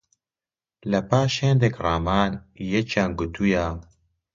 لە پاش هێندێک ڕامان، یەکیان گوتوویە: